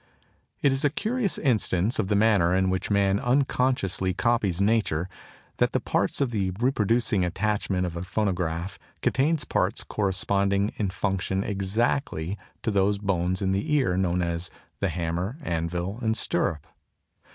It is a curious instance of the manner in which man unconsciously copies nature that the parts of the reproducing attachment of a phonograph contains parts corresponding in function exactly to those bones of the ear known as the Hammer, Anvil, and Stirrup.